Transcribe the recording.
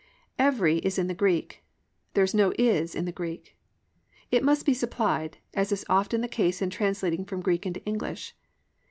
"Every" is in the Greek. There is no "is" in the Greek. It must be supplied, as is often the case in translating from Greek into English.